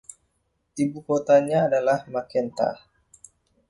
Ibukotanya adalah Macenta.